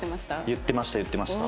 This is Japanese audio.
言ってました言ってました。